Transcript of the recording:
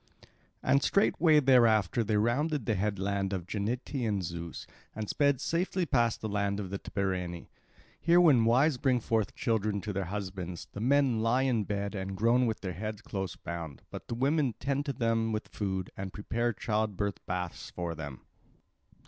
And straightway thereafter they rounded the headland of Genetaean Zeus and sped safely past the land of the Tibareni. Here when wives bring forth children to their husbands, the men lie in bed and groan with their heads close bound; but the women tend them with food, and prepare child birth baths for them.